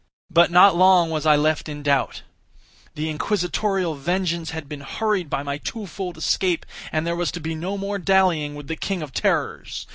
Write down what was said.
But not long was I left in doubt. The Inquisitorial vengeance had been hurried by my two fold escape, and there was to be no more dallying with the King of Terrors.